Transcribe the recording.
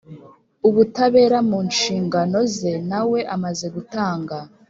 Ubutabera mu nshingano ze na we amaze gutanga